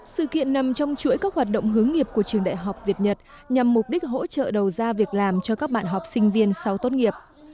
sự kiện nằm trong chuỗi các hoạt động hướng nghiệp của trường đại học việt nhật nhằm mục đích hỗ trợ đầu ra việc làm cho các bạn học sinh viên sau tốt nghiệp